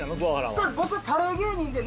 そうです